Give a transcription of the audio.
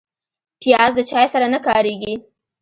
پیاز د چای سره نه کارېږي